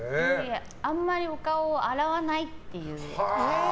あんまりお顔を洗わないっていう。